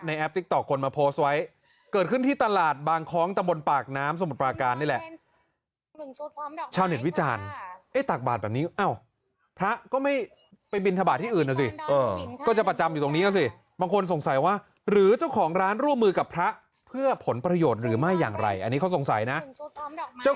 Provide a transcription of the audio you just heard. บ้านแม่สุกนะคะคุณเอกนะคะ๑ชุบก่อนนะคะอันนี้๑ชุบ